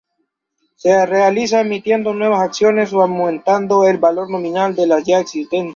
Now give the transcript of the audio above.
Se realiza emitiendo nuevas acciones o aumentando el valor nominal de las ya existentes.